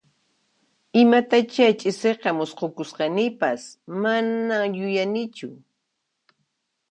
Imatachá ch'isiqa musqhukusqanipas, mana yuyanichu